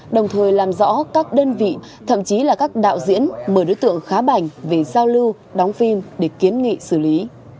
đồng thời làm rõ các đơn vị thậm chí là các đạo diễn mời đối tượng khá bảnh về giao lưu đóng phim để kiến nghị xử lý